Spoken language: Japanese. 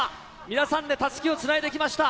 皆さんでたすきをつないできました。